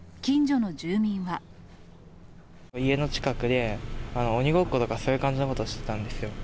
家の近くで鬼ごっことか、そういう感じのことをしてたんですよ。